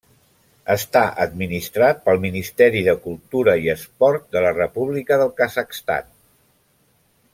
Està administrat pel Ministeri de Cultura i Esport de la República del Kazakhstan.